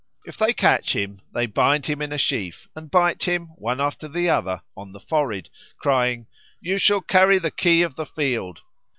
If they catch him, they bind him in a sheaf an dbite him, one after the other, in the forehead, crying, "You shall carry the key of the field."